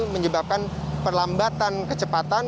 menyebabkan perlambatan kecepatan